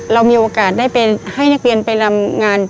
เรามีโอกาสได้ไปให้นักเรียนไปรำงาน